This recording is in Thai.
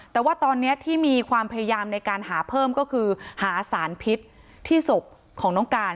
แต่ว่าตอนนี้ที่มีความพยายามในการหาเพิ่มก็คือหาสารพิษที่ศพของน้องการ